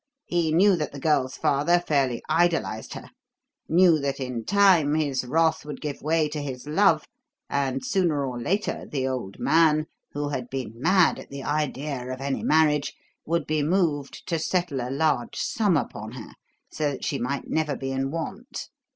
He knew that the girl's father fairly idolised her; knew that, in time, his wrath would give way to his love, and, sooner or later, the old man who had been mad at the idea of any marriage would be moved to settle a large sum upon her so that she might never be in want.